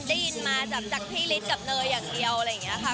ได้ยินมาจากพี่ฤทธิ์กับเนยอย่างเดียวอะไรอย่างนี้ค่ะ